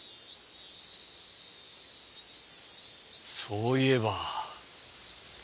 そういえば。